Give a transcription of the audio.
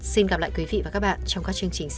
xin gặp lại quý vị và các bạn trong các chương trình sau